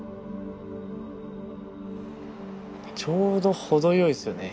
ちょうど程よいっすよね